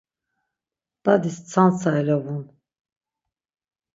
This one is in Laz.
Dadis tsantsa elobun.